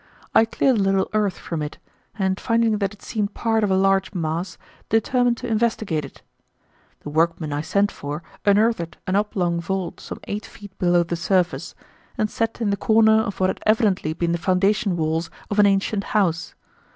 I cleared a little earth from it, and, finding that it seemed part of a large mass, determined to investigate it. The workmen I sent for unearthed an oblong vault some eight feet below the surface, and set in the corner of what had evidently been the foundation walls of an ancient house.